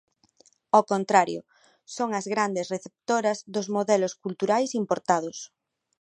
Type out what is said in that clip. Ao contrario, son as grandes receptoras dos modelos culturais importados.